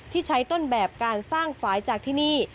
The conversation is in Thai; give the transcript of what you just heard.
ที่ใช้ต้นแบบการสร้างฝ่ายจากที่นี่